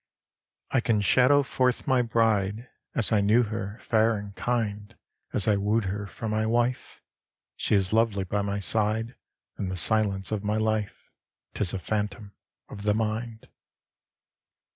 XIV I can shadow forth my bride As I knew her fair and kind As I woo'd her for my wife; She is lovely by my side In the silence of my life 'Tis a phantom of the mind.